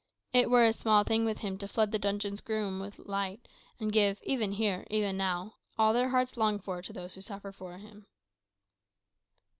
It were a small thing with him to flood the dungeon's gloom with light, and give even here, even now all their hearts long for to those who suffer for him."